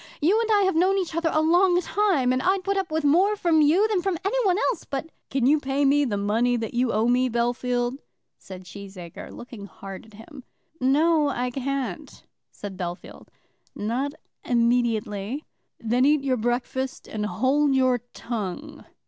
You and I have known each other a long time, and I'd put up with more from you than from anyone else; but " "Can you pay me the money that you owe me, Bellfield?" said Cheesacre, looking hard at him. "No, I can't," said Bellfield; "not immediately." "Then eat your breakfast, and hold your tongue."